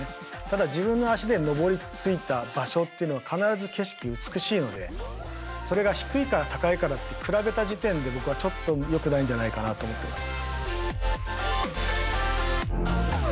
ただ自分の足で登りついた場所っていうのは必ず景色美しいのでそれが低いから高いからって比べた時点で僕はちょっとよくないんじゃないかなと思ってます。